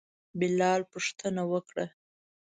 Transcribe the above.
بلال پوښتنه وکړه.